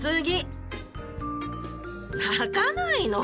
泣かないの。